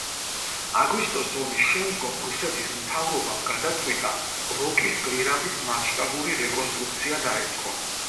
აგვისტოს ომის შემდგომ რუსეთის მთავრობამ გადაწყვიტა როკის გვირაბის მასშტაბური რეკონსტრუქცია დაეწყო.